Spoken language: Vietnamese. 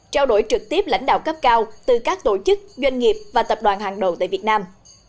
trao đổi trực tiếp lãnh đạo cấp cao từ các tổ chức doanh nghiệp và tập đoàn hàng đầu tại việt nam